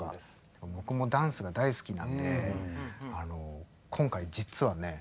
僕もダンスが大好きなんで今回実はね